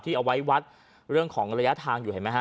เอาไว้วัดเรื่องของระยะทางอยู่เห็นไหมฮ